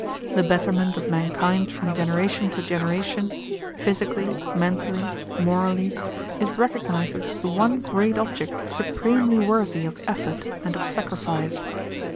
The betterment of mankind from generation to generation, physically, mentally, morally, is recognized as the one great object supremely worthy of effort and of sacrifice.